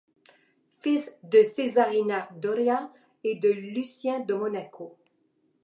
Fils de Cesarina Doria et de Lucien de Monaco.